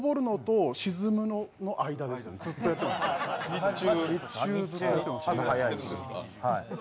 日中？